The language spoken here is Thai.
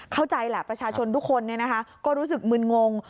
เข้าใจแหละประชาชนทุกคนก็รู้สึกมึนงง